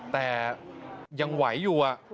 แต่ยังไหวอยู่